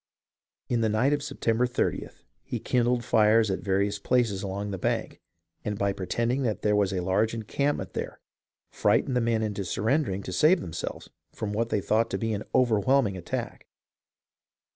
In the night of September 30th he kindled fires at various places along the bank, and by pretending that there was a large encampment there frightened the men into surrendering to save themselves from what they thought to be an overwhelming attack.